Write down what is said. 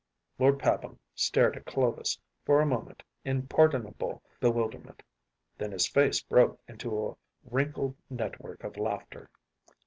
‚ÄĚ Lord Pabham stared at Clovis for a moment in pardonable bewilderment; then his face broke into a wrinkled network of laughter.